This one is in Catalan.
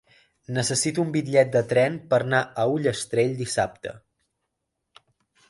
Necessito un bitllet de tren per anar a Ullastrell dissabte.